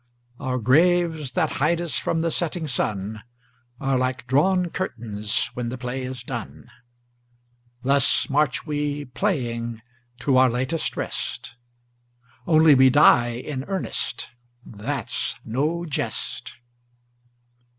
Our graves that hide us from the setting sun Are like drawn curtains when the play is done. Thus march we, playing, to our latest rest, Only we die in earnest, that's no jest.